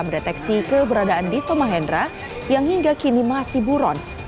mendeteksi keberadaan dito mahendra yang hingga kini masih buron